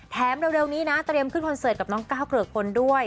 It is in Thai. เร็วนี้นะเตรียมขึ้นคอนเสิร์ตกับน้องก้าวเกริกพลด้วย